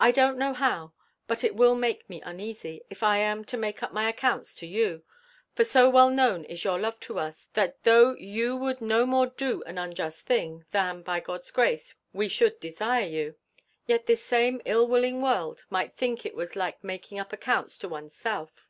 I don't know how but it will make me uneasy, if I am to make up my accounts to you: for so well known is your love to us, that though you would no more do an unjust thing, than, by God's grace, we should desire you; yet this same ill willing world might think it was like making up accounts to one's self.